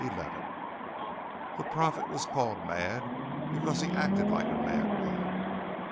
The prophet was called mad because he acted like a madman.